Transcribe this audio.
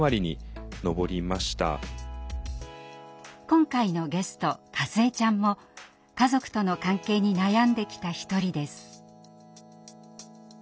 今回のゲストかずえちゃんも家族との関係に悩んできた一人です。